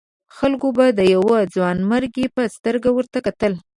خلکو به د یوه ځوانمرد په سترګه ورته کتلي وي.